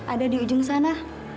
ada di ujung sana